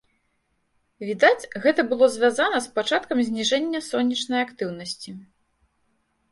Відаць, гэта было звязана з пачаткам зніжэння сонечнай актыўнасці.